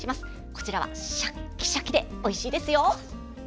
こちらはシャッキシャキでおいしいですよ。